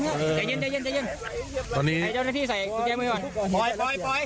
เฮ้ยลุกไว้ด้วย